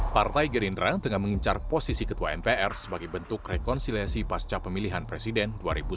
partai gerindra tengah mengincar posisi ketua mpr sebagai bentuk rekonsiliasi pasca pemilihan presiden dua ribu sembilan belas